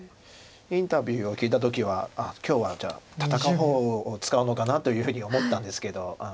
インタビューを聞いた時は今日はじゃあ戦う方を使うのかなというふうに思ったんですけど。